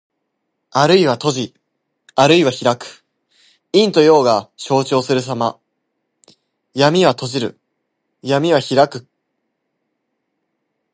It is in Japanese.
あるいは閉じ、あるいは開く。陰と陽が消長するさま。「闔」は閉じる。「闢」は開く意。